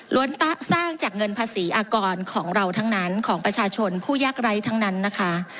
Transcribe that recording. สร้างจากเงินภาษีอากรของเราทั้งนั้นของประชาชนผู้ยากไร้ทั้งนั้นนะคะ